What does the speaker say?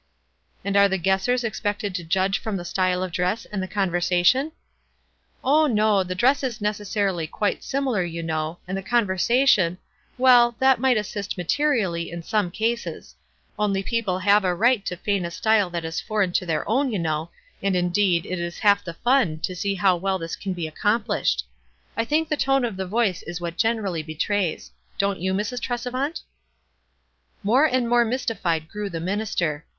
"And are the guessers expected to judge from the style of dress and the conversation ?" "Oh, no, the dress is necessarily quite sim ilar, you know, and the conversation — well, that might assist materially in some cases ; only people have a right to feign a style that is for eign to their own, you know ; and, indeed, it is half the fun to see how well this can be accom WISE AND OTHERWISE. 227 piished. I think the tone of the voice is what generally betrays. Don't you, Mrs. Trese vant?" More and more mystified grew the minister.